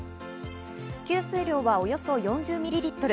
吸水量はおよそ４０ミリリットル。